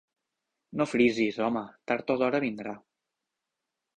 No frisis, home, tard o d'hora vindrà.